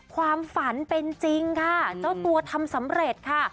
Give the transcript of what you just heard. ความฝันเป็นจริงค่ะเจ้าตัวทำสำเร็จค่ะ